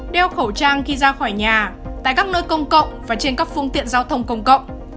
đeo khẩu trang khi ra khỏi nhà tại các nơi công cộng và trên các phương tiện giao thông công cộng